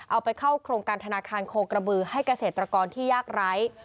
เอาไปเข้าโครงการธนาคารโคกระบือให้เกษตรกรที่ยากไร้